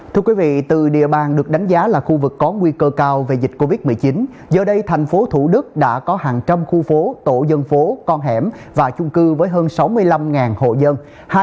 thưa quý vị từ địa bàn được đánh giá là khu vực có nguy cơ cao về dịch covid một mươi chín giờ đây thành phố thủ đức đã có hàng trăm khu phố tổ dân phố con hẻm và chung cư với hơn sáu mươi năm hộ dân